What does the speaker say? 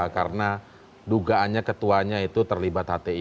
karena dugaannya ketuanya itu terlibat hti